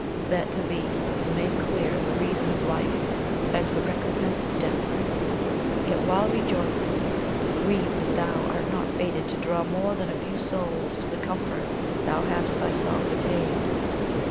that to thee is made clear the Reason of Life, and the Recompense of Death: yet while rejoicing, grieve that thou art not fated to draw more than a few souls to the comfort thou hast thyself attained!"